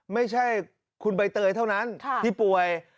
ไม่ใช่คุณใบเตยเท่านั้นที่ป่วย